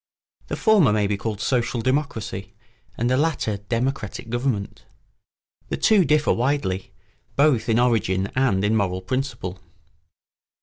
The former may be called social democracy and the latter democratic government. The two differ widely, both in origin and in moral principle.